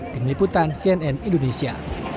tim liputan cnn indonesia